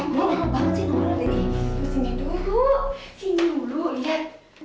sini dulu lihat